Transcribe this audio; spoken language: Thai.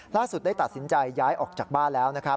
ล่าสุดได้ตัดสินใจย้ายออกจากบ้านแล้ว